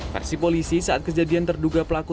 versi polisi saat kejadian terduga pelaku